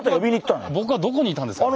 ぼくはどこにいたんですか？